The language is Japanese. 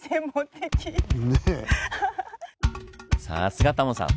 さすがタモさん！